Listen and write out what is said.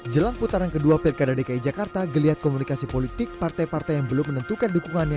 jelang putaran kedua pilkada dki jakarta geliat komunikasi politik partai partai yang belum menentukan dukungannya